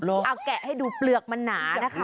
เอาแกะให้ดูเปลือกมันหนานะคะ